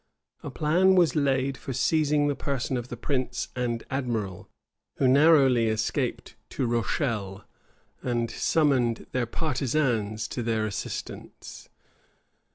A plan was laid for seizing the person of the prince and admiral; who narrowly escaped to Rochelle, and summoned their partisans to their assistance.